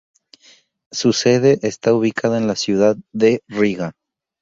Su sede está ubicada en la ciudad de Riga.